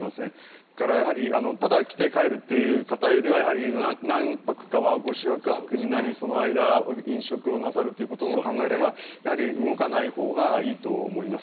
それから、ただ来て帰るという方よりは何泊か、ご宿泊になりその間、飲食をなさるということも考えれば動かないほうがいいと思います。